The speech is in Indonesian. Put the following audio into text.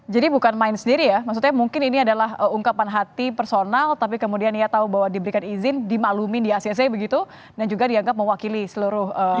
jadi bukan main sendiri ya maksudnya mungkin ini adalah ungkapan hati personal tapi kemudian dia tahu bahwa diberikan izin dimaklumin di acc begitu dan juga dianggap mewakili seluruh